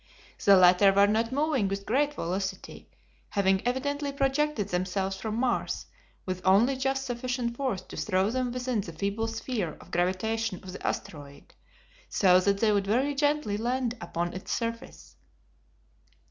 The latter were not moving with great velocity, having evidently projected themselves from Mars with only just sufficient force to throw them within the feeble sphere of gravitation of the asteroid, so that they should very gently land upon its surface.